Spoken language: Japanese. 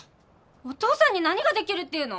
お父さんに何ができるっていうの？